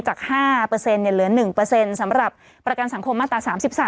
จาก๕เหลือ๑สำหรับประกันสังคมมาตรา๓๓